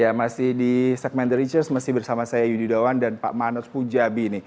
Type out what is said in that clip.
ya masih di segmen the reacher s masih bersama saya yudi dawan dan pak manos punjabi